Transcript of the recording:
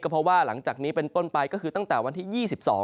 เพราะว่าหลังจากนี้เป็นต้นไปก็คือตั้งแต่วันที่๒๒